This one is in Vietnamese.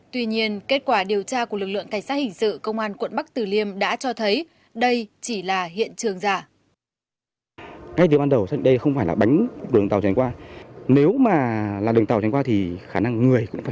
tuy nhiên kết quả điều tra của lực lượng cảnh sát hình sự công an quận bắc tử liêm đã cho thấy đây chỉ là hiện trường giả